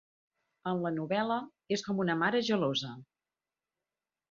En la novel·la, és com una mare gelosa.